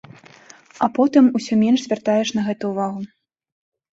А потым усё менш звяртаеш на гэта ўвагу.